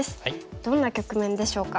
どんな局面でしょうか。